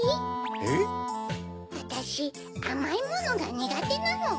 えっ？あたしあまいものがにがてなの。